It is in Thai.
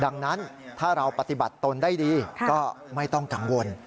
ดังนั้นถ้าเราปฏิบัติตนได้ดีก็ไม่ต้องกังวล